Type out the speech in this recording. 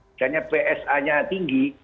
misalnya psa nya tinggi